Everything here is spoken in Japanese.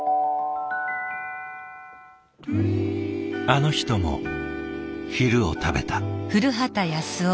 あの人も昼を食べた。